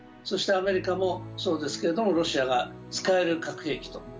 そしてアメリカもそうですけれども、ロシアが使える核兵器と。